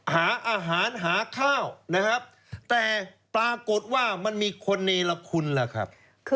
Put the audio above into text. หาอาหารหาข้าวนะครับแต่ปรากฏว่ามันมีคนเนรคุณล่ะครับ